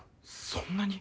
そんなに？